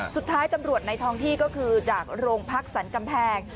สุดท้ายตำรวจในท้องที่ก็คือจากโรงพักสันกำแพง